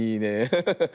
ハハハハッ。